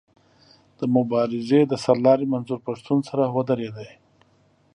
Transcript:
د مبارزې د سر لاري منظور پښتون سره ودرېد.